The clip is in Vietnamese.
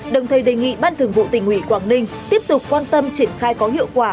đồng thời đề nghị ban thường vụ tỉnh ủy quảng ninh tiếp tục quan tâm triển khai có hiệu quả